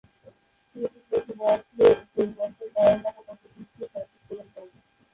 একুশ বছর বয়সে পঞ্চম দলাই লামা তাকে ভিক্ষুর শপথ প্রদান করেন।